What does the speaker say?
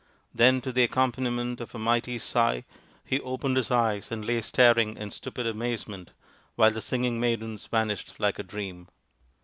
Then to the accompaniment of a mighty sigh he opened his eyes and lay staring in stupid amazement, while the singing maidens vanished like a dream.